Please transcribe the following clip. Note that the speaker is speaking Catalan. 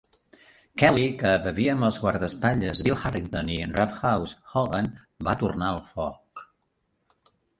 Kelly, que bevia amb els guardaespatlles Bill Harrington i Rough House Hogan, va tornar el foc.